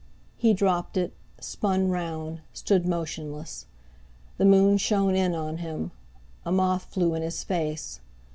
He dropped it, spun round, stood motionless. The moon shone in on him; a moth flew in his face.